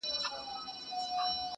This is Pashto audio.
په دامونو ښکار کوي د هوښیارانو.!